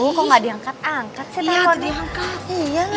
aduh kok ga diangkat angkat sih handphone